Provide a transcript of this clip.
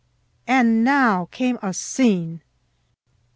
And now came a scene!